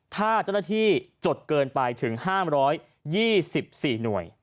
ถ้าเจ้าหน้าที่จดเกินไปถึง๕๒๔หน่วย